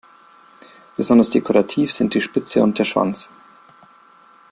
Besonders dekorativ sind die Spitze und der Schwanz.